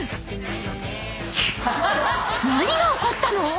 ［何が起こったの？］